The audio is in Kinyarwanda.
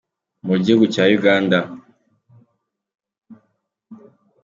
Mugihugu cya Uganda.